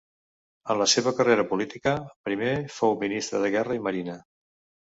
En la seva carrera política, primer fou Ministre de Guerra i Marina.